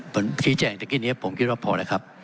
คนตีแจกนี้ผมคิดว่าพอและครับ